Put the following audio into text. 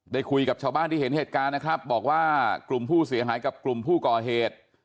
คุยกับชาวบ้านที่เห็นเหตุการณ์นะครับบอกว่ากลุ่มผู้เสียหายกับกลุ่มผู้ก่อเหตุ